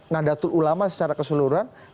nadatul ulama secara keseluruhan